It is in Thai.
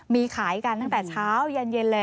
มีขายกันตั้งแต่เช้ายันเย็นเลย